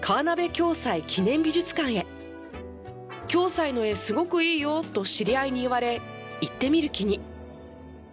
暁斎の絵、すごくいいよと知り合いに言われ行ってみる気に。